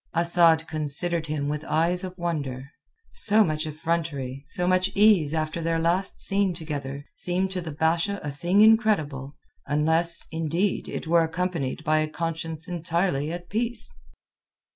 Asad considered him with eyes of wonder. So much effrontery, so much ease after their last scene together seemed to the Basha a thing incredible, unless, indeed, it were accompanied by a conscience entirely at peace.